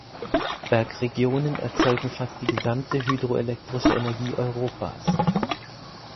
Bergregionen erzeugen fast die gesamte hydroelektrische Energie Europas.